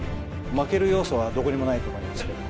負ける要素はどこにもないと思いますけど。